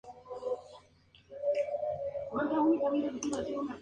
El papa les pidió ser sencillos y eficaces.